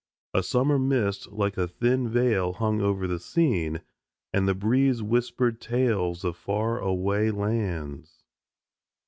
A summer mist like a thin veil hung over the scene, and the breeze whispered tales of far away lands.